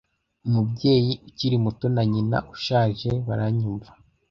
Umubyeyi ukiri muto na nyina ushaje baranyumva,